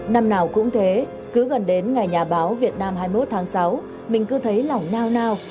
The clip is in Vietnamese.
năm nào cũng thế cứ gần đến ngày nhà báo việt nam hai mươi một tháng sáu mình cứ thấy lỏng nao nao